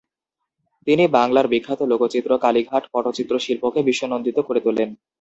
তিনি বাংলার বিখ্যাত লোকচিত্র কালীঘাট পটচিত্র শিল্পকে বিশ্বনন্দিত করে তোলেন।